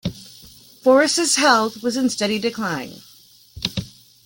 Forrest's health was in steady decline.